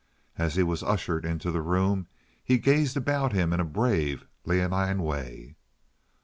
As he was ushered into the room he gazed about him in a brave, leonine way.